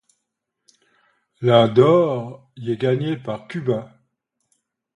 La d'or y est gagnée par Cuba.